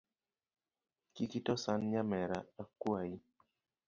Kik ito san nyamera akuai.